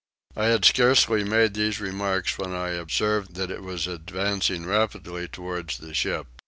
I had scarce made these remarks when I observed that it was advancing rapidly towards the ship.